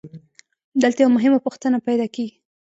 دلته یوه مهمه پوښتنه پیدا کېږي